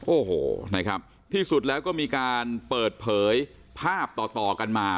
โอ้โหนะครับที่สุดแล้วก็มีการเปิดเผยภาพต่อต่อกันมา